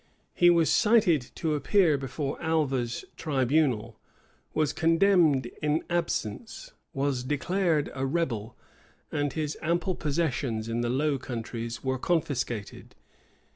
He was cited to appear before Alva's tribunal, was condemned in absence, was declared a rebel, and his ample possessions in the Low Countries were confiscated.